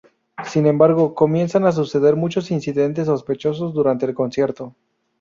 Sin embargo, comienzan a suceder muchos incidentes sospechosos durante el concierto.